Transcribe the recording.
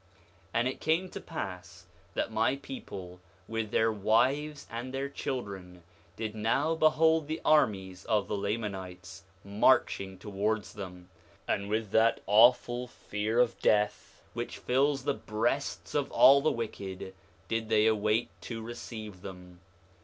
6:7 And it came to pass that my people, with their wives and their children, did now behold the armies of the Lamanites marching towards them; and with that awful fear of death which fills the breasts of all the wicked, did they await to receive them.